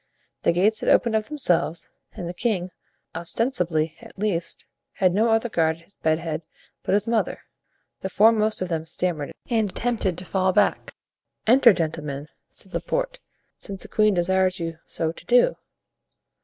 The gates had opened of themselves, and the king, ostensibly at least, had no other guard at his bed head but his mother. The foremost of them stammered and attempted to fall back. "Enter, gentlemen," said Laporte, "since the queen desires you so to do."